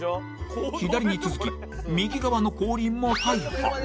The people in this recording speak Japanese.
左に続き、右側の後輪も大破。